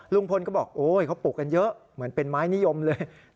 ลุงพลก็บอกโอ๊ยเขาปลูกกันเยอะเหมือนเป็นไม้นิยมเลย